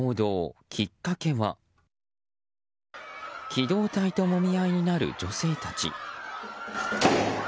機動隊ともみ合いになる女性たち。